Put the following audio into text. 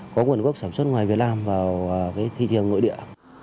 có nguồn gốc sản xuất ngoài việt nam vào thị trường nội địa